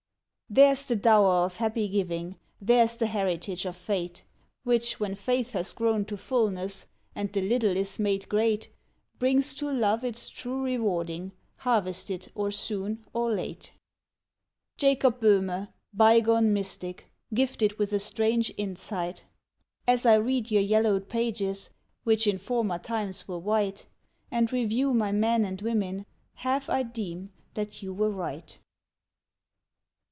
Theirs the dower of happy giving, theirs the heritage of Fate Which, when faith has grown to fulness, and the little is made great, Brings to love its true rewarding, harvested or soon or late. TEMPERAMENTS 1 9 Jacob Boehme, by gone mystic, gifted with a strange insight, As I read your yellowed pages, which in former times were white, And review my men and women, half I deem that you were right.